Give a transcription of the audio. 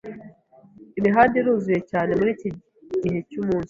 Imihanda iruzuye cyane muriki gihe cyumunsi.